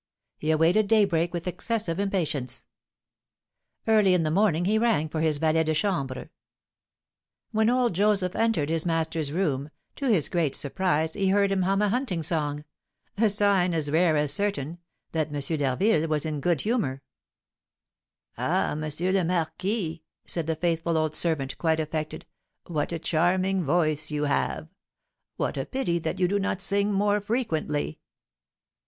He awaited daybreak with excessive impatience. Early in the morning he rang for his valet de chambre. When old Joseph entered his master's room, to his great surprise he heard him hum a hunting song, a sign, as rare as certain, that M. d'Harville was in good humour. "Ah, M. le Marquis," said the faithful old servant, quite affected, "what a charming voice you have! What a pity that you do not sing more frequently!"